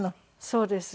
そうです。